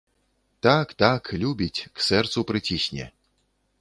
Так, так, любіць, к сэрцу прыцісне!